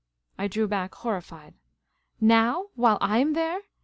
I drew back, horrified. "Now? While I am there?